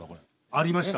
ありました。